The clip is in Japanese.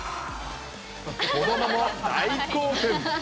子どもも大興奮。